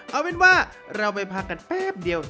เอาเป็นว่าเราไปพักกันแป๊บเดียว